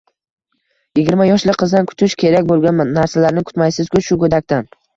Yigirma yoshli qizdan kutish kerak bo'lgan narsalarni kutmaysizku shu go'dakdan.